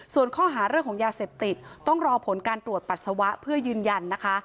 ส่วนข้อหาเรื่องของยาเสพติดต้องรอผลการตรวจปัสสาวะเพื่อยืนยันนะคะ